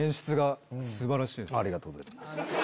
ありがとうございます。